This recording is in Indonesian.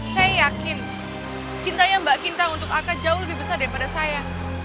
saya yakin cintanya mbak kinta untuk aka jauh lebih besar daripada saya